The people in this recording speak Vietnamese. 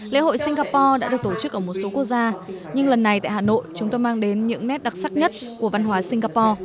lễ hội singapore đã được tổ chức ở một số quốc gia nhưng lần này tại hà nội chúng tôi mang đến những nét đặc sắc nhất của văn hóa singapore